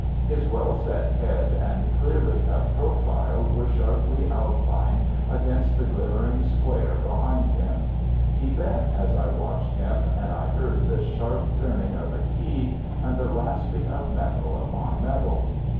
His well set head and clearly cut profile were sharply outlined against the glimmering square behind him. He bent as I watched him, and I heard the sharp turning of a key and the rasping of metal upon metal.